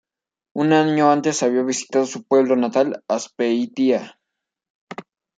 Un año antes había visitado su pueblo natal, Azpeitia.